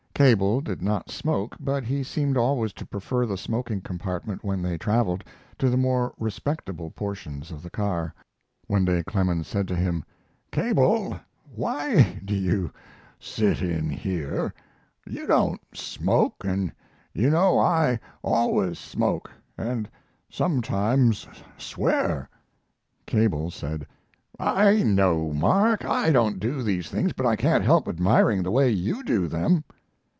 Cable did not smoke, but he seemed always to prefer the smoking compartment when they traveled, to the more respectable portions of the car. One day Clemens sand to him: "Cable, why do you sit in here? You don't smoke, and you know I always smoke, and sometimes swear." Cable said, "I know, Mark, I don't do these things, but I can't help admiring the way you do them."